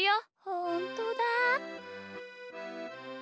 ほんとだ！